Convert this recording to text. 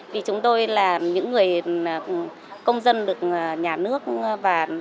vì chúng tôi là những người công dân được nhà nước và